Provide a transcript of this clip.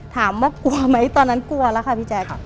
ถามว่ากลัวไหมตอนนั้นกลัวแล้วค่ะพี่แจ๊ค